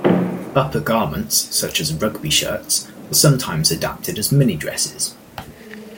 Upper garments, such as rugby shirts, were sometimes adapted as mini-dresses.